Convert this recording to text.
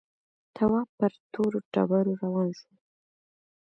تواب پر تورو ډبرو روان شو.